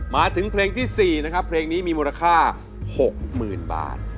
มาถึงเพลงที่สี่นะครับเพลงนี้มีมูลค่าหกหมื่นบาท